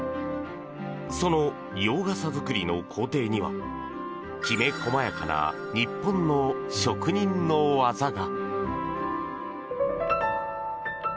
その洋傘作りの工程にはきめ細やかな日本の職人の技が。